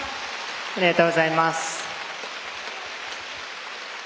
ありがとうございます。